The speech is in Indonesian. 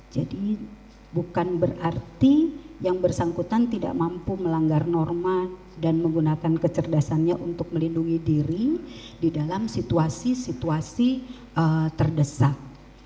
jadi bukan berarti yang bersangkutan tidak mampu melanggar norma dan menggunakan kecerdasannya untuk melindungi diri di dalam situasi situasi terdesak